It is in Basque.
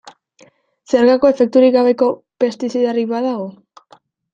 Zeharkako efekturik gabeko pestizidarik badago?